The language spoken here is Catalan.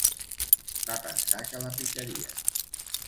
Va pensar que la picarien.